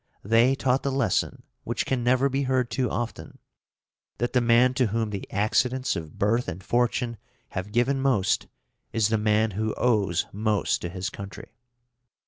They taught the lesson which can never be heard too often that the man to whom the accidents of birth and fortune have given most is the man who owes most to his country.